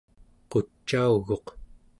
qucauguq